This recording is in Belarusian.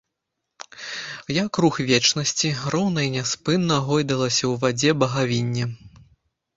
Як рух вечнасці, роўна і няспынна гойдалася ў вадзе багавінне.